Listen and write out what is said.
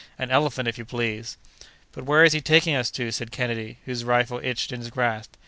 An elephant, if you please!" "But where is he taking us to?" said Kennedy, whose rifle itched in his grasp.